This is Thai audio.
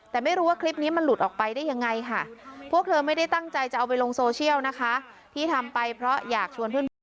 แต่ไม่รู้ว่าคลิปนี้มันหลุดออกไปได้ยังไงค่ะพวกเธอไม่ได้ตั้งใจจะเอาไปลงโซเชียลนะคะที่ทำไปเพราะอยากชวนเพื่อน